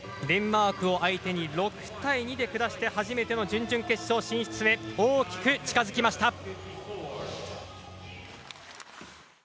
デンマークを相手に６対２で下して初めての準々決勝進出へ大きく近づきました。